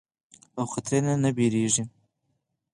او خطري نه نۀ ويريږي